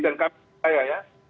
dan kami percaya ya